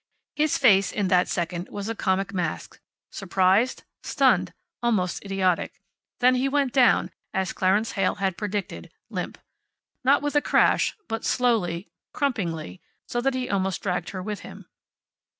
His face, in that second, was a comic mask, surprised, stunned, almost idiotic. Then he went down, as Clarence Heyl had predicted, limp. Not with a crash, but slowly, crumpingly, so that he almost dragged her with him.